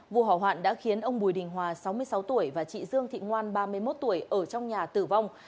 vụ hỏa hoạn đã khiến ông bùi đình hòa sáu mươi sáu tuổi và chị dương thị ngoan ba mươi một tuổi ở trong nhà tử vong